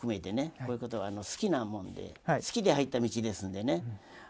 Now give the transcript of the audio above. こういうことが好きなもんで好きで入った道ですんでね。